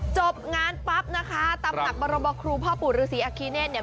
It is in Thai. จบงานปั๊บนะคะตำหนักบรบครูพ่อปู่ฤษีอาคีเนธเนี่ย